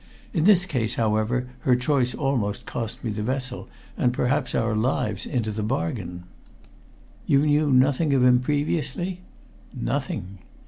In this case, however, her choice almost cost me the vessel, and perhaps our lives into the bargain." "You knew nothing of him previously?" "Nothing."